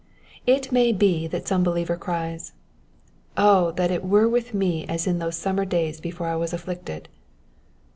It may be that some believer cries, ^^ O that it were with me as in those summer days before I was afflicted."